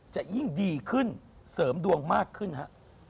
จะยิ่งดีขึ้นเสริมดวงมากขึ้นฮะ